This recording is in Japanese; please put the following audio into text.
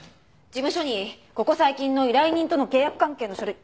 事務所にここ最近の依頼人との契約関係の書類。